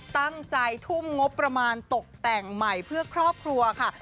ตั้งใจทุ่มงบประมาณตกแต่งใหม่เพื่อครอบครัวค่ะ